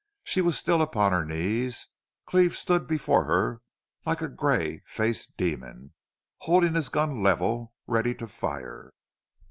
She was still upon her knees. Cleve stood before her, like a gray faced demon, holding his gun level, ready to fire.